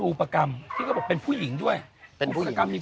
ชื่องนี้ชื่องนี้ชื่องนี้ชื่องนี้ชื่องนี้